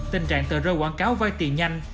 tình trạng tờ rơi quảng cáo vay tiền nhanh